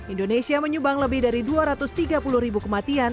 indonesia menyumbang lebih dari dua ratus tiga puluh ribu kematian